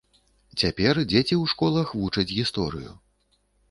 Цяпер дзеці ў школах вучаць гісторыю.